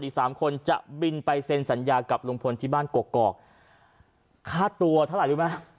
สามคนจะบินไปเซ็นสัญญากับลุงพลที่บ้านกกอกค่าตัวเท่าไหร่รู้ไหม